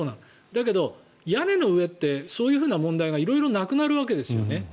だけど、屋根の上ってそういう問題が色々なくなるわけですよね。